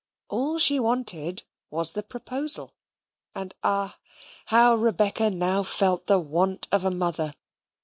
All she wanted was the proposal, and ah! how Rebecca now felt the want of a mother!